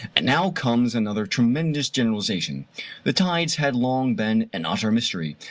And now comes another tremendous generalization. The tides had long been an utter mystery.